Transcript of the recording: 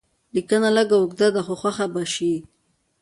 لیکنه لږ اوږده ده خو خوښه به شي.